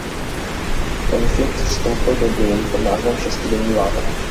Konflikt vstoupil do dějin pod názvem šestidenní válka.